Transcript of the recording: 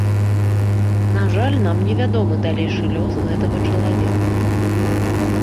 На жаль, нам не вядомы далейшы лёс гэтага чалавека.